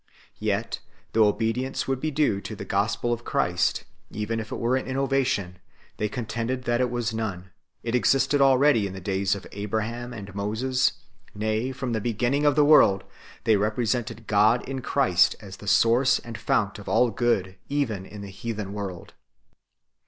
Yet, though obedience would be due to the Gospel of Christ even if it were an innovation, they con tended that it was none ; it existed already in the days of Abraham and Moses, nay, from the beginning of the world ; they represented God in Christ as the source and fount of all good even in the heathen world.